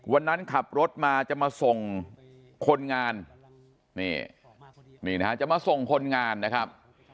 วันนั้นขับรถมาจะมาส่งคนงานนี่นี่นะฮะจะมาส่งคนงานนะครับ